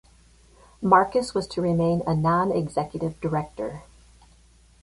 Marcus was to remain a non-executive director.